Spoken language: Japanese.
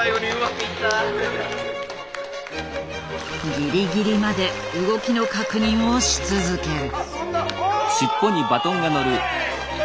ギリギリまで動きの確認をし続ける。